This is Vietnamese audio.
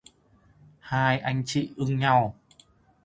Hai anh chị ưng nhau